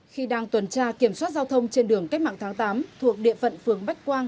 khi đang tuần tra kiểm soát giao thông trên đường cách mạng tháng tám thuộc địa phận phường bách quang